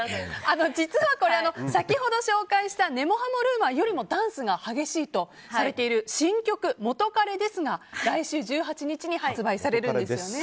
実はこれ、先ほど紹介した「根も葉もＲｕｍｏｒ」よりもダンスが激しいとされている新曲「元カレです」が来週１８日に発売されるんですよね。